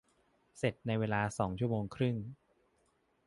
เสร็จในเวลาสองชั่วโมงครึ่ง